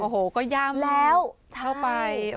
โอ้โฮก็ย่ำเข้าไป